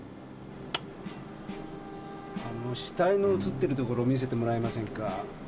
あの死体の映ってるところ見せてもらえませんか？